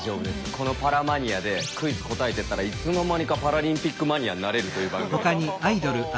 この「パラマニア」でクイズ答えてったらいつの間にかパラリンピックマニアになれるという番組なんで。